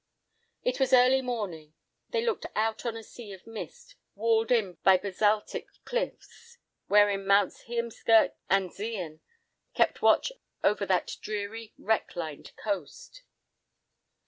It was early morning. They looked out on a sea of mist, walled in by basaltic cliffs, wherein Mounts Heemskirk and Zeehan kept watch over that dreary, wreck lined coast.